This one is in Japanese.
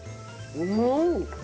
うん！